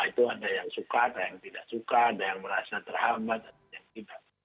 itu ada yang suka ada yang tidak suka ada yang merasa terhambat ada yang tidak